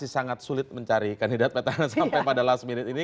sangat sulit mencari kandidat petahana sampai pada last minute ini